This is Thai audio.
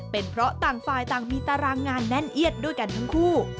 เป็นเพราะต่างฝ่ายต่างมีตารางงานแน่นเอียดด้วยกันทั้งคู่